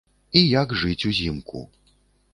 І як жыць узімку.